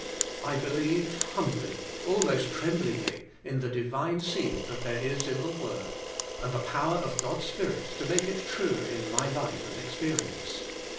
I believe humbly, almost tremblingly, in the Divine seed that there is in the Word, and 44 The Inner Chamber the power of God's Spirit to make it true in my life and experience.